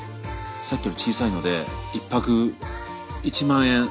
さっきより小さいので１泊１万円。